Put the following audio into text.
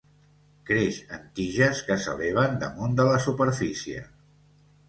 Creix en tiges que s'eleven damunt de la superfície.